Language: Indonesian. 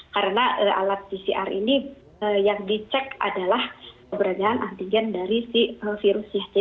karena alat pcr ini yang dicek adalah keberadaan antigen dari si virus